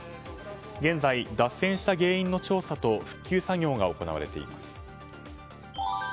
現在、脱線した原因の調査と復旧作業が行われています。